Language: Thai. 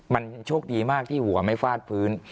มันโชคดีมากที่หัวไม่ฟาดพื้น